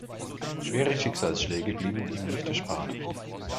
Schwere Schicksalsschläge blieben ihm nicht erspart.